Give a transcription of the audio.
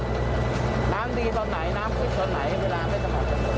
น้ำดีตอนไหนน้ำขึ้นตอนไหนเวลาไม่สมัคร